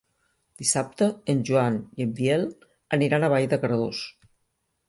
Dissabte en Joan i en Biel aniran a Vall de Cardós.